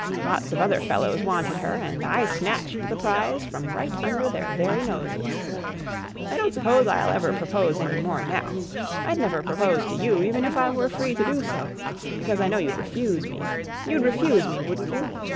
Lots of other fellows wanted her and I snatched the prize from right under their very noses. I don't suppose I'll ever propose any more now. I'd never propose to you, even if I were free to do so, because I know you'd refuse me. You'd refuse me, wouldn't you?